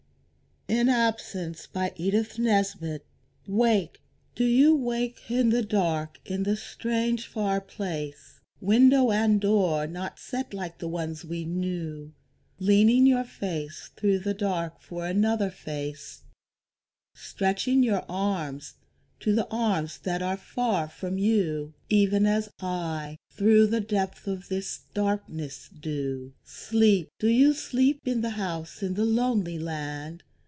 sorrow, not alone!" IN ABSENCE. WAKE, do you wake in the dark in the strange far place, Window and door not set like the ones we knew, Leaning your face through the dark for another face, Stretching your arms to the arms that are far from you, Even as I, through the depth of this darkness, do? Sleep, do you sleep in the house in the lonely land?